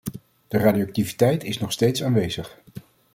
De radioactiviteit is nog steeds aanwezig.